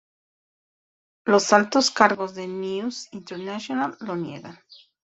Los altos cargos de "News International" lo niegan.